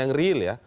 yang real ya